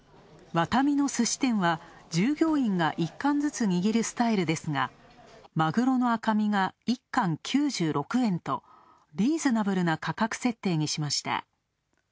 ワタミのすし店は、従業員が１貫ずつ握るスタイルですが、まぐろの赤身が１貫９６円と、リーズナブルな価格設定にしました。